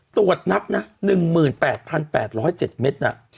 ตรวจนับนะ๑๘๘๐๗เมตรนะ